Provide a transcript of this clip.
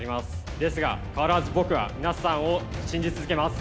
ですが必ず僕は皆さんを信じ続けます。